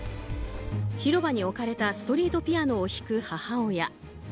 広場に置かれたストリートピアノを弾く母親。